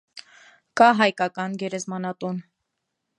Կա հայկական գերեզմանատուն։